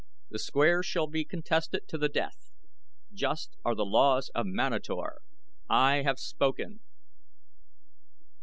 The squares shall be contested to the death. Just are the laws of Manator! I have spoken."